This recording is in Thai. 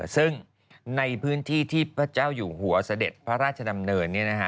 ซึ่งในพื้นที่ที่พระเจ้าอยู่หัวเสด็จพระราชดำเนิน